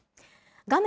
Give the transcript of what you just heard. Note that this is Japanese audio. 画面